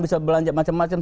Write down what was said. bisa belanja macam macam